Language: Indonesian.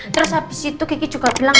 terus habis itu kiki juga bilang